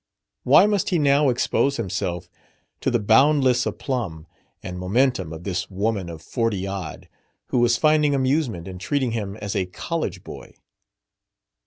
Why must he now expose himself to the boundless aplomb and momentum of this woman of forty odd who was finding amusement in treating him as a "college boy"?